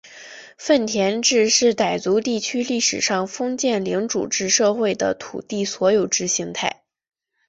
份田制是傣族地区历史上封建领主制社会的土地所有制形态。